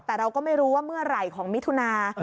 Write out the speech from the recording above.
แต่เราก็ไม่รู้ว่าเมื่อไหร่ของมิถุนา